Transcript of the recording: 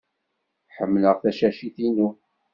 Ḥemmleɣ tacacit-inu.